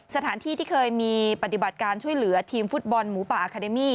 สถานที่ที่เคยมีปฏิบัติการช่วยเหลือทีมฟุตบอลหมูป่าอาคาเดมี่